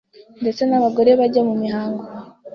ndetse n’abagore bajya mu mihango